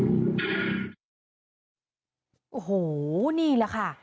โอ้โหนี่แหละค่ะ